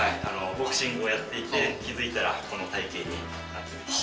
ボクシングをやっていて、気付いたらこの体形になってました。